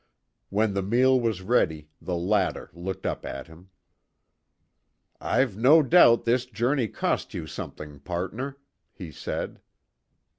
When the meal was ready, the latter looked up at him. "I've no doubt this journey cost you something, partner," he said.